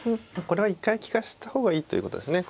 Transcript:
これは一回利かした方がいいということですね。